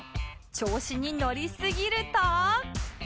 調子にのりすぎると